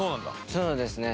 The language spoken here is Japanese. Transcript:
そうですね。